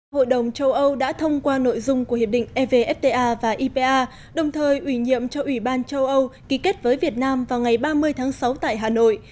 hội đồng châu âu đã thông qua nội dung của hiệp định evfta và ipa đồng thời ủy nhiệm cho ủy ban châu âu ký kết với việt nam vào ngày ba mươi tháng sáu tại hà nội